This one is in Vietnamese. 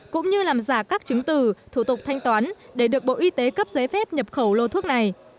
cũng như làm giả các chứng từ thủ tục thanh toán để được bộ y tế cấp giấy phép nhập khẩu lô thuốc này